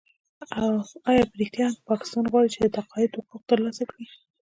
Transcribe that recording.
آیا په رښتیا هم پاکستان غواړي چې د تقاعد حقوق ترلاسه کړي؟